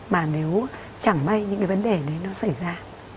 mà nếu chẳng may những cái vấn đề đấy nó xảy ra